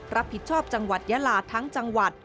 รับผิดชอบจังหวัดยาลาทั้งจังหวัด